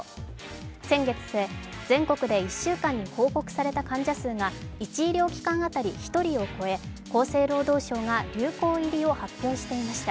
先月末、全国で１週間に報告された患者数が１医療機関当たり１人を超え、厚生労働省が流行入りを発表していました。